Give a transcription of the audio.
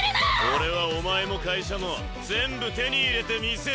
俺はお前も会社も全部手に入れてみせるぞ。